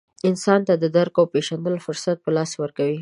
انسان ته د درک او پېژندلو فرصت په لاس ورکوي.